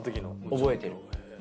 覚えてる。